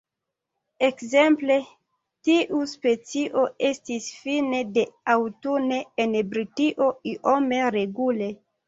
Ekzemple tiu specio estis fine de aŭtune en Britio iome regule.